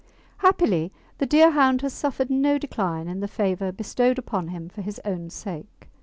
Happily the Deerhound has suffered no decline in the favour bestowed upon him for his own sake.